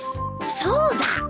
そうだ！